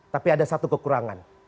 tapi ada satu kekurangan